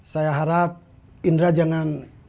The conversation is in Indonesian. saya suka dengan keluarga nadia